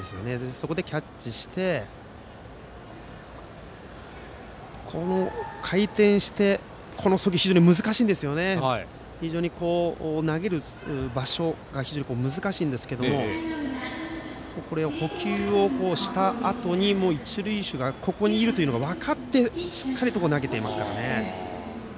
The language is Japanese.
そこでキャッチしてこの回転しての送球難しいですが投げる場所が非常に難しいんですけれども捕球をしたあとに一塁手がここにいることを分かって、しっかり投げています。